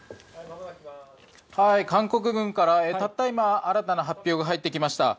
韓国軍からたった今新たな発表が入ってきました。